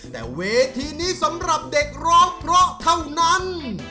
แต่เวทีนี้สำหรับเด็กร้องเพราะเท่านั้น